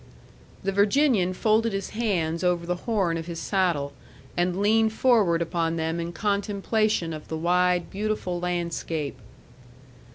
The Virginian folded his hands over the horn of his saddle, and leaned forward upon them in contemplation of the wide, beautiful landscape.